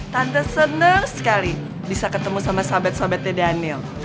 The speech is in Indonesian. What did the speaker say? tante senang sekali bisa ketemu sama sahabat sahabatnya daniel